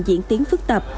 diễn tiến phức tạp